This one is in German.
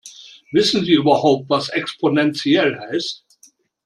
Wissen Sie überhaupt, was exponentiell heißt?